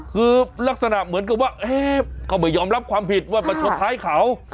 คือลักษณะเหมือนกับว่าเขาไม่ยอมรับความผิดว่ามาชนท้ายเขา